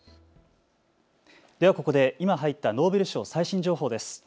ではここで今入ったノーベル賞最新情報です。